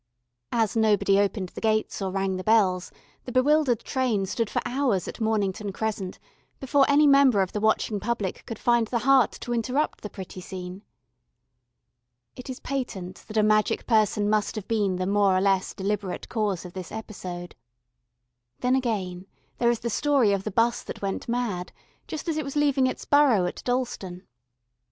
As nobody opened the gates or rang the bells, the bewildered train stood for hours at Mornington Crescent before any member of the watching public could find the heart to interrupt the pretty scene. It is patent that a magic person must have been the more or less deliberate cause of this episode. Then again, there is the story of the 'bus that went mad, just as it was leaving its burrow at Dalston.